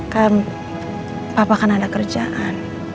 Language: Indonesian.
kan papa kan ada kerjaan